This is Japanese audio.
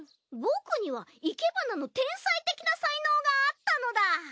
僕には生け花の天才的な才能があったのだ。